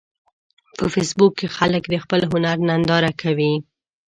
په فېسبوک کې خلک د خپل هنر ننداره کوي